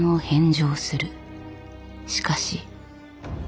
しかし。